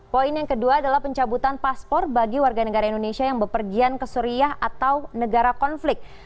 poin yang kedua adalah pencabutan paspor bagi warga negara indonesia yang berpergian ke suriah atau negara konflik